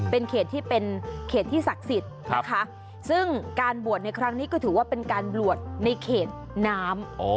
เป็นเขตที่เป็นเขตที่ศักดิ์สิทธิ์นะคะซึ่งการบวชในครั้งนี้ก็ถือว่าเป็นการบวชในเขตน้ำ